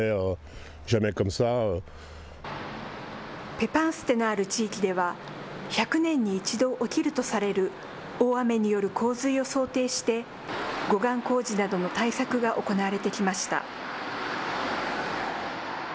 ペパンステのある地域では、１００年に１度起きるとされる大雨による洪水を想定して、護岸工事などの対策が行われてきました。